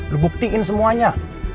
lo buktiin semuanya